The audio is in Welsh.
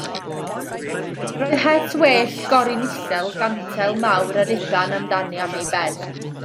Roedd het wellt goryn isel gantel mawr a ruban am dani am ei ben.